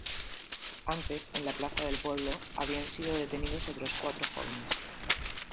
Antes en la plaza del pueblo, habían sido detenidos otros cuatro jóvenes.